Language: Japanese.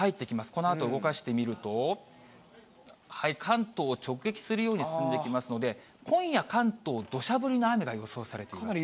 このあと動かしてみると、関東を直撃するように進んできますので、今夜、関東、どしゃ降りの雨が予想されています。